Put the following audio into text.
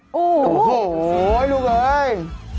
โอ้โหโอ้โหลูกเอ๊ย